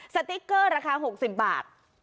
สติ๊กเกอร์ราคา๖๐บาท